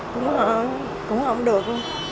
cúng không cúng không được